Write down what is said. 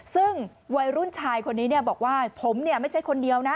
ซึ่งวัยรุ่นชายคนนี้บอกว่าผมเนี่ยไม่ใช่คนเดียวนะ